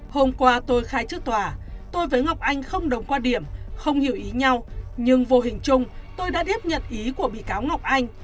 hôm qua tôi khai trước tòa tôi với ngọc anh không đồng quan điểm không hiểu ý nhau nhưng vô hình chung tôi đã tiếp nhận ý của bị cáo ngọc anh